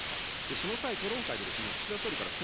その際、討論会で岸田総理からこ